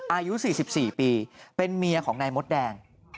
อายุ๔๔ปีเป็นเมียของนายมดแดง